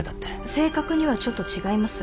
正確にはちょっと違います。